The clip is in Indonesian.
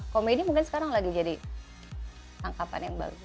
komedi mungkin sekarang lagi jadi tangkapan yang bagus